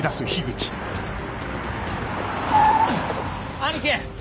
兄貴！